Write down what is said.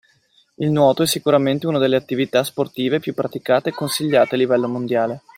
Il nuoto è sicuramente uno delle attività sportive più praticate e consigliate a livello modiale.